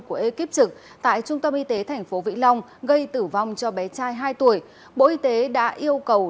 của ekip trực tại trung tâm y tế tp vĩ long gây tử vong cho bé trai hai tuổi bộ y tế đã yêu cầu